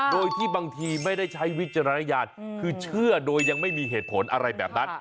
โดยที่บางทีไม่ได้ใช้วิจารณญาณคือเชื่อโดยยังไม่มีเหตุผลอะไรแบบนั้น